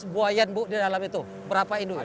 tujuh belas buayan bu di dalam itu berapa ini tujuh belas